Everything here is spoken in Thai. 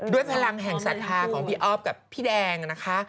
ด้วยพลังแห่งสาธารณ์ของพี่ออฟกับพี่แดงนะคะ